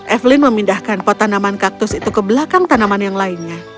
evelyn memindahkan pot tanaman kaktus itu ke belakang tanaman yang lainnya